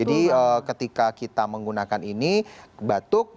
jadi ketika kita menggunakan ini batuk